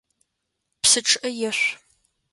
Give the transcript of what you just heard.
Псы чъыӏэ ешъу!